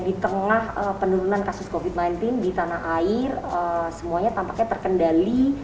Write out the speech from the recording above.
di tengah penurunan kasus covid sembilan belas di tanah air semuanya tampaknya terkendali